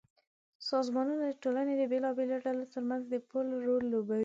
سازمانونه د ټولنې د بېلابېلو ډلو ترمنځ د پُل رول لوبوي.